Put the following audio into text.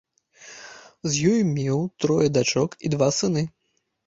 З ёй меў трое дачок і два сыны.